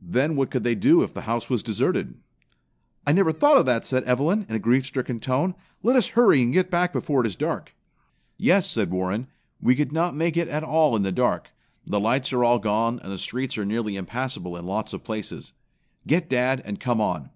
Then what could they do if the house was deserted?" "I never thought of that," said Evelyn in a grief stricken tone. "Let us hurry and get back before it is dark." "Yes," said Warren, "we could not make it at all in the dark. The lights are all gone, and the streets are nearly impassable in lots of places. Get dad, and come on.